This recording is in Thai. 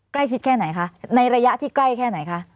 ใกล้ชิดแค่ไหนคะในระยะที่ใกล้แค่ไหนคะ